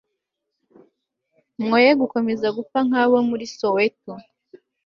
mwoye gukomeza gupfa nkabo muli soweto